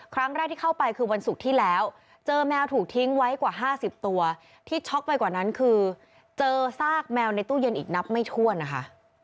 ครั้งแรกที่เข้าไปคือวันศุกร์ที่แล้วเจอแมวถูกทิ้งไว้กว่า๕๐ตัวที่ช็อกไปกว่านั้นคือเจอซากแมวในตู้เย็นอีกนับไม่ถ้วนนะคะ